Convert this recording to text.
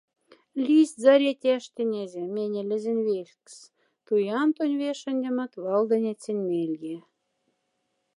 Листь, заря тяштенязе, менелезень вельксс — туян тонь вешендемот валдоняцень мельге.